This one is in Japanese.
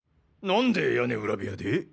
何で屋根裏部屋で？